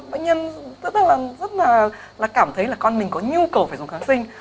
bác nhân rất là cảm thấy là con mình có nhu cầu phải dùng kháng sinh